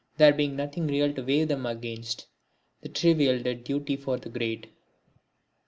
There being nothing real to weigh them against, the trivial did duty for the great.